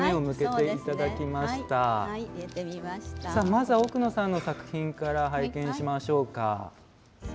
まずは、奥野さんの作品を拝見しましょうか。